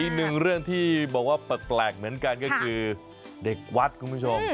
อีกหนึ่งเรื่องที่บอกว่าแปลกเหมือนกันก็คือเด็กวัดคุณผู้ชม